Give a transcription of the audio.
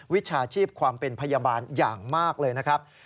วิชาชีพความเป็นพยาบาลอย่างมากเลยนะครับ